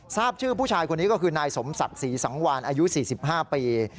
ทราบชื่อผู้ชายคนนี้ก็คือนายสมศักดิ์ศรีสังวานอายุ๔๕ปี